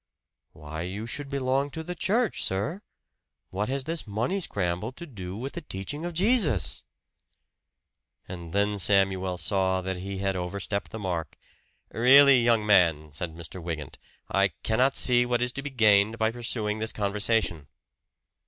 "Why you should belong to the church, sir? What has this money scramble to do with the teaching of Jesus?" And then Samuel saw that he had overstepped the mark. "Really, young man," said Mr. Wygant, "I cannot see what is to be gained by pursuing this conversation."